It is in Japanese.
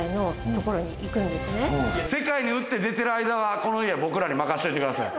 世界に打って出てる間はこの家僕らに任しといてください